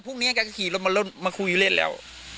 พรุขนี้แกก็ขี่รถมาคุยเล่นแล้ว